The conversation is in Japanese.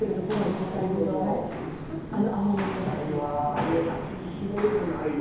鍋焼きに絞るはないわ。